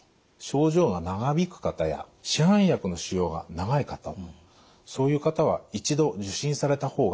症状が長引く方や市販薬の使用が長い方そういう方は一度受診された方がいいと思います。